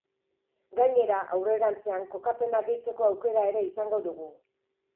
Gainera, aurrerantzean kokapena gehitzeko aukera ere izango dugu.